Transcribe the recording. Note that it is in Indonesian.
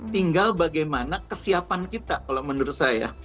tinggal bagaimana kesiapan kita kalau menurut saya